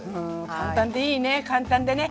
簡単でいいね簡単でね。